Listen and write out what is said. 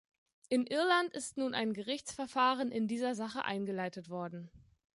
In Irland ist nun ein Gerichtsverfahren in dieser Sache eingeleitet worden.